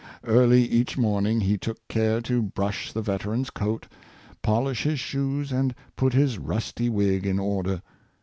Early each morning he took care to brush the veteran's coat, polish his shoes, and put his rusty wig in order.